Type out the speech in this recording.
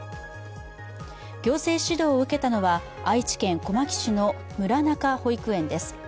行政指導を受けたのは、愛知県小牧市の村中保育園です。